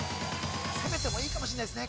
攻めてもいいかもしれないですね